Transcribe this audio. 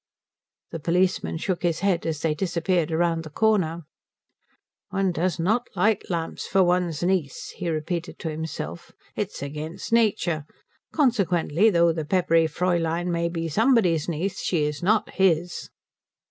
The policeman shook his head as they disappeared round the corner. "One does not light lamps for one's niece," he repeated to himself. "It's against nature. Consequently, though the peppery Fräulein may well be somebody's niece she is not his."